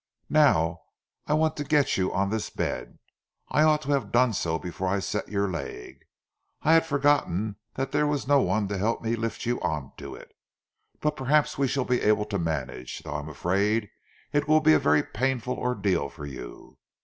"Now I want to get you on this bed. I ought to have done so before I set your leg. I had forgotten that there was no one to help me lift you on to it. But perhaps we shall be able to manage, though I am afraid it will be a very painful ordeal for you.